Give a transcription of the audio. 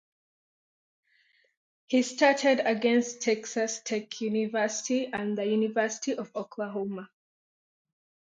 He started against Texas Tech University and the University of Oklahoma.